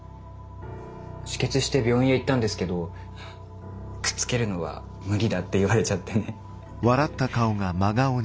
止血して病院へ行ったんですけどくっつけるのは無理だって言われちゃってね。